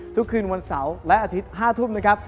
คืนวันเสาร์และอาทิตย์๕ทุ่มนะครับ